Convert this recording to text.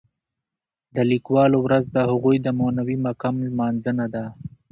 د لیکوالو ورځ د هغوی د معنوي مقام لمانځنه ده.